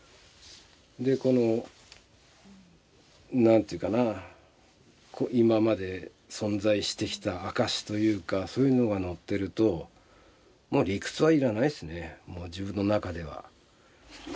でこの何ていうかな今まで存在してきた証しというかそういうのがのってると理屈は要らないですね自分の中では。